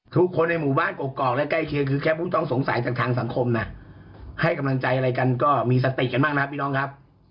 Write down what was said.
ทุกคนในหมู่บ้านกอกและใกล้เคียงคือแค่ผู้ต้องสงสัยจากทางสังคมนะให้กำลังใจอะไรกันก็มีสติกันบ้างนะครับพี่น้องครับ